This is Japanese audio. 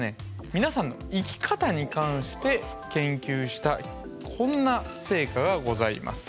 皆さんの生き方に関して研究したこんな成果がございます。